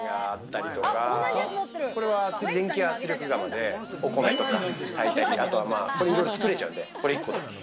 これは電気圧力釜でお米とか炊いたり、いろいろ作れちゃうんで、これ１個で。